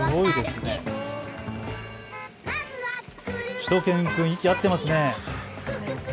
しゅと犬くん、息合ってますね。